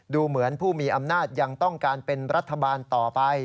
ดูเหมือนผู้มีอำนาจยังต้องการเป็นรัฐบาลต่อไป